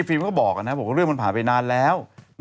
ฟิล์มก็บอกนะครับว่าเรื่องมันผ่านไปนานแล้ว